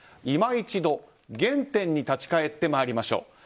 今一度、原点に立ち返ってまいりましょう。